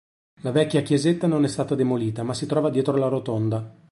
La vecchia chiesetta non è stata demolita, ma si trova dietro la rotonda.